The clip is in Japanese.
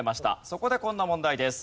そこでこんな問題です。